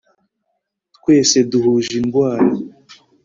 twese duhuje indwara